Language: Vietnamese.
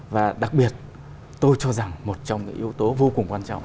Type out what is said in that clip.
và đặc biệt tôi cho rằng một trong cái yếu tố vô cùng quan trọng